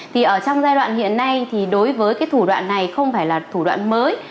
thì ở trong giai đoạn hiện nay thì đối với cái thủ đoạn này không phải là thủ đoạn mới